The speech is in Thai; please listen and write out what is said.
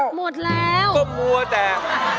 ก็มัวแต่